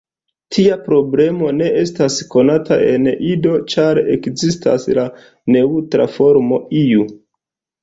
Tia problemo ne estas konata en Ido, ĉar ekzistas la neŭtra formo "lu".